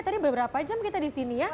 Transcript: tadi beberapa jam kita di sini ya